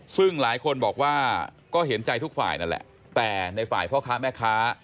ซึ่งหลายคนบอกว่าก็เห็นใจทุกฝ่ายนั่นแหละแต่ในฝ่ายพ่อค้าแม่ค้า